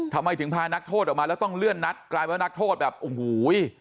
ทำไมถึงพานักโทษออกมาแล้วต้องเลื่อนนัดกลายเป็นว่านักโทษแบบโอ้โห